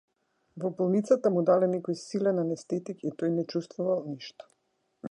Во болницата му дале некој силен анестетик и тој не чувствувал ништо.